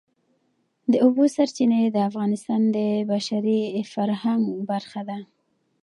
د اوبو سرچینې د افغانستان د بشري فرهنګ برخه ده.